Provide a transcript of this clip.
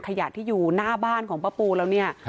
ขยะที่อยู่หน้าบ้านของป้าปูแล้วเนี่ย